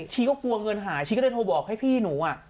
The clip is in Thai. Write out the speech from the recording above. ชีก็กลัวเงินหายชีก็เลยโทรบอกให้พี่หนู